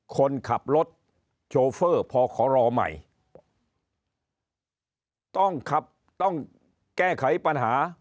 คนขับรถโชเฟอร์พอขอรอใหม่ต้องขับต้องแก้ไขปัญหา